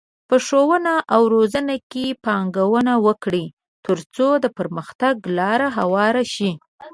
په ښوونه او روزنه کې پانګونه وکړئ، ترڅو د پرمختګ لاره هواره شي.